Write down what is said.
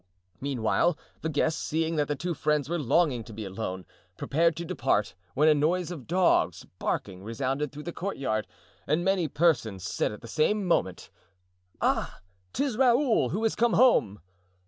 Meanwhile the guests, seeing that the two friends were longing to be alone, prepared to depart, when a noise of dogs barking resounded through the courtyard and many persons said at the same moment: "Ah! 'tis Raoul, who is come home."